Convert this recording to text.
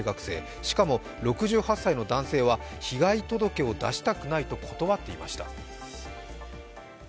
しかも６８歳の男性は被害届を出したくないと断っていました。